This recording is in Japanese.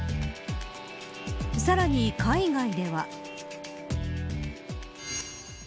さらに海外では。